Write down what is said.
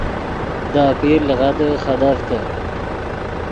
دے آپیر لغدے خدیڤتے